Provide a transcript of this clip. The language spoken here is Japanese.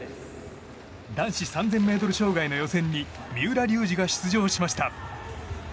男子３０００ｍ障害の予選に三浦龍司が出場しました。